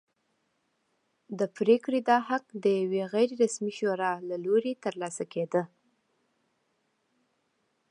د پرېکړې دا حق د یوې غیر رسمي شورا له لوري ترلاسه کېده.